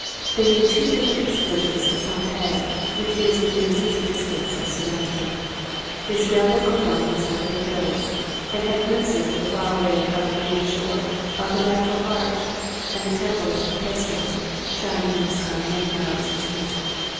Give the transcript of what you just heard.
They made two different excursions to Pompeii, which is within easy distance of Sorrento. They scrambled on donkeys over the hills, and had glimpses of the far away Calabrian shore, of the natural arch, and the temples of Pæstum shining in the sun many miles distant.